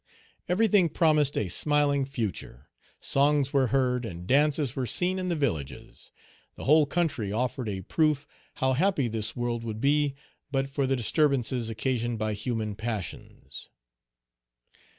Everything promised a smiling future. Songs were heard, and dances were seen in the villages. The whole country offered a proof how happy this world would be but for the disturbances occasioned by human passions.